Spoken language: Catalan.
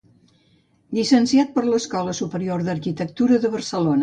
Llicenciat per l’Escola Superior d’Arquitectura de Barcelona.